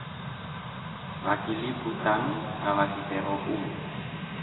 Vakilifu tanu na vakisero umi.